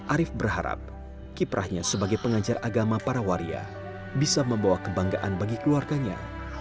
arief berharap kiprahnya sebagai pengajar agama para waria bisa membawa kebanggaan bagi keluarganya